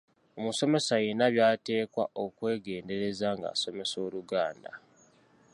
Omusomesa alina by’ateekwa okwegendereza ng’asomesa Oluganda.